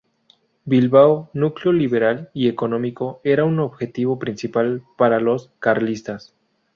Bilbao, núcleo liberal y económico, era un objetivo principal para los carlistas.